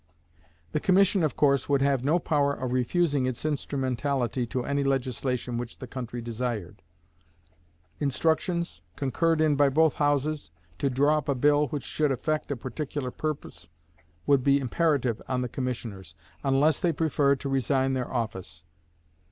The commission, of course, would have no power of refusing its instrumentality to any legislation which the country desired. Instructions, concurred in by both houses, to draw up a bill which should effect a particular purpose, would be imperative on the commissioners, unless they preferred to resign their office.